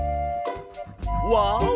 わお！